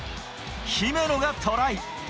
姫野がトライ。